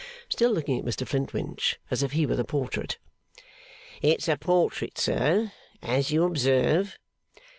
(Still looking at Mr Flintwinch, as if he were the portrait.) 'It's a portrait, sir, as you observe.